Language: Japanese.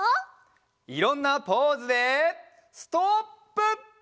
いろんなポーズでストップ！